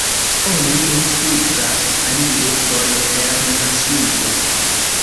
Oni ne kudras alie ol per maŝino.